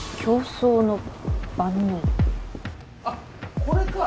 あっこれか。